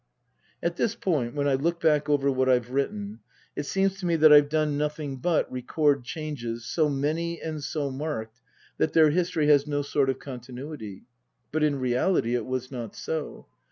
At this point, when I look back over what I've written, it seems to me that I've done nothing but record changes so many and so marked that their history has no sort of continuity. But in reality it was not so.